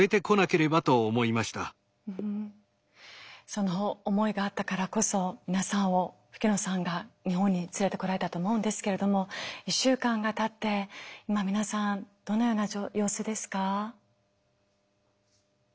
その思いがあったからこそ皆さんを吹野さんが日本に連れてこられたと思うんですけれども１週間がたって今皆さんどのような様子ですか？